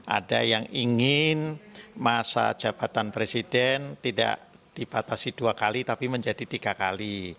ada yang ingin masa jabatan presiden tidak dibatasi dua kali tapi menjadi tiga kali